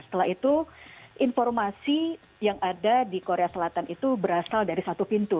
setelah itu informasi yang ada di korea selatan itu berasal dari satu pintu